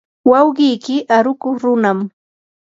wawqiyki arukuq runam.